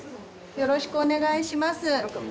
よろしくお願いします。